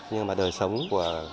nhưng mà đời sống của các đối tượng